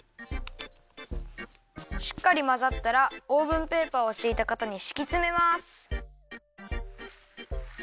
しっかりまざったらオーブンペーパーをしいたかたにしきつめます。